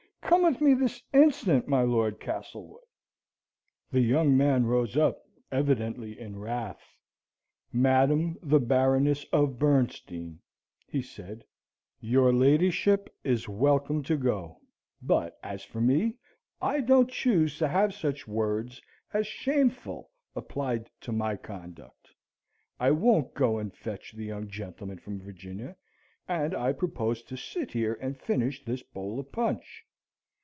Come with me this instant, my Lord Castlewood." The young man rose up, evidently in wrath. "Madame the Baroness of Bernstein," he said, "your ladyship is welcome to go; but as for me, I don't choose to have such words as 'shameful' applied to my conduct. I won't go and fetch the young gentleman from Virginia, and I propose to sit here and finish this bowl of punch.